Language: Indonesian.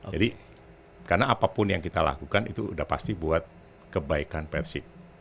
jadi karena apapun yang kita lakukan itu sudah pasti buat kebaikan persib